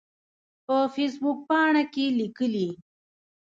په فیسبوک پاڼه کې کې لیکلي